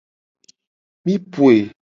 Mi poe.